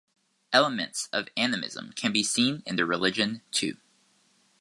Elements of animism can be seen in their religion too.